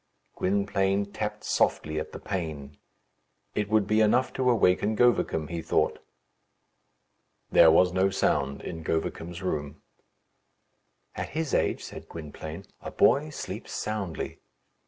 Gwynplaine tapped softly at the pane. It would be enough to awaken Govicum, he thought. There was no sound in Govicum's room. "At his age," said Gwynplaine, "a boy sleeps soundly."